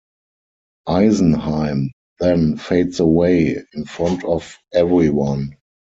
Eisenheim then fades away in front of everyone.